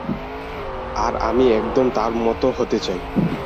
আর আমি একদম তার মত হতে চাই।